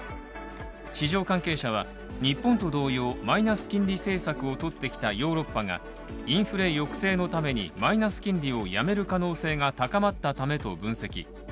市場関係者は日本と同様、マイナス金利政策をとってきたヨーロッパがインフレ抑制のためにマイナス金利をやめる可能性が高まったためと分析。